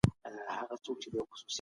زموږ دعاګانې په خپل فضل سره قبولې کړه.